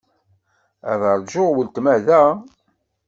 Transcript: Ad ṛjuɣ weltma da.